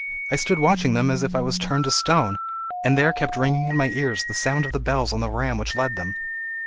I stood watching them as if I was turned to stone, but there kept ringing in my ears the sound of the bells on the ram which led them."